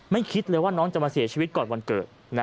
คิดเลยว่าน้องจะมาเสียชีวิตก่อนวันเกิด